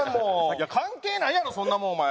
いや関係ないやろそんなもんお前。